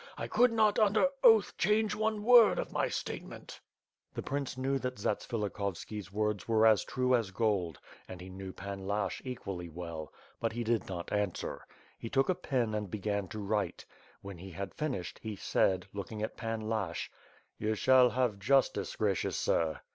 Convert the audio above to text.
I could not under oath change one word of my statement." WITH FIRE AND SWORD. 46 1 The prince knew that Zatsvilikhovski's words were as true as gold and he knew Pan Lashch equally well; but he did not answer. He took a pen and began to write. When he had finished, he said, looking at Pan Lashch: ''You shall have justice, gracious sir.''